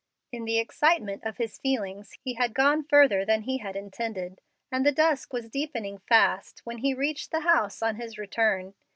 In the excitement of his feelings, he had gone further than he had intended, and the dusk was deepening fast when he reached the house on his return.